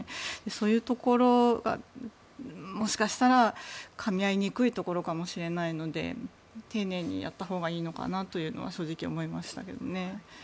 そういうところがもしかしたらかみ合いにくいところかもしれないので丁寧にやったほうがいいのかなというのは正直思いましたけどね。